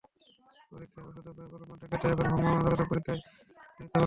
পরীক্ষায় অসদুপায় অবলম্বন ঠেকাতে এবার ভ্রাম্যমাণ আদালত পরীক্ষার সময় দায়িত্ব পালন করবেন।